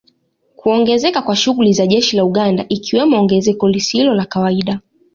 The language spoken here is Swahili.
Kuongezeka kwa shughuli za jeshi la Uganda ikiwemo ongezeko lisilo la kawaida